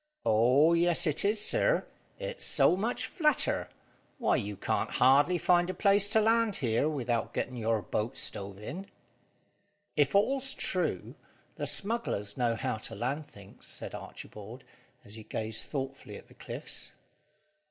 "Oh, yes it is, sir. It's so much flatter. Why, you can't hardly find a place to land here, without getting your boat stove in." "If all's true, the smugglers know how to land things," said Archibald, as he gazed thoughtfully at the cliffs.